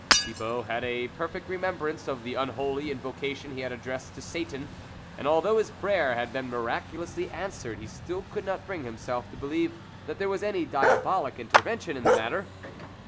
Thibault had a perfect remembrance of the unholy invocation he had addressed to Satan, and although his prayer had been miraculously answered, he still could not bring himself to believe that there was any diabolic intervention in the matter.